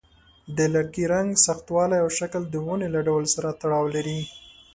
د لرګي رنګ، سختوالی، او شکل د ونې له ډول سره تړاو لري.